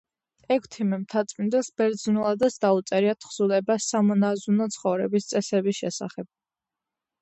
ექვთიმე მთაწმინდელს ბერძნულადაც დაუწერია თხზულება სამონაზვნო ცხოვრების წესების შესახებ.